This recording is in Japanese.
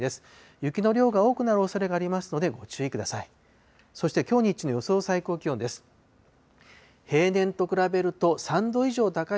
雪の量が多くなるおそれがありますので、ご注意ください。